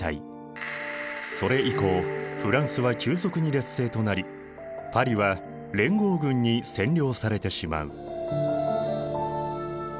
それ以降フランスは急速に劣勢となりパリは連合軍に占領されてしまう。